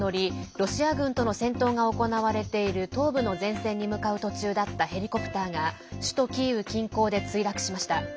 ロシア軍との戦闘が行われている東部の前線に向かう途中だったヘリコプターが首都キーウ近郊で墜落しました。